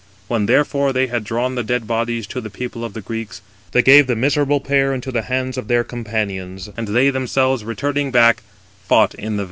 When, therefore, they had drawn the dead bodies 222 to the people of the Greeks, they gave the miserable pair into the hands of their companions; and they themselves, returning back, fought in the van.